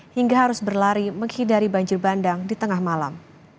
hingga harus berlari menghindari banjir bandang di tengah malam